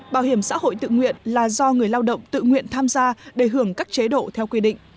bảo hiểm xã hội tự nguyện là do người lao động tự nguyện tham gia để hưởng các chế độ theo quy định